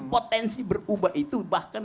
potensi berubah itu bahkan